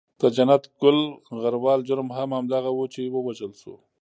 د جنت ګل غروال جرم هم همدغه وو چې و وژل شو.